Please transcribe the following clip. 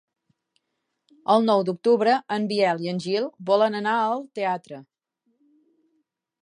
El nou d'octubre en Biel i en Gil volen anar al teatre.